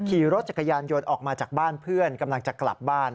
ขี่รถจักรยานยนต์ออกมาจากบ้านเพื่อนกำลังจะกลับบ้าน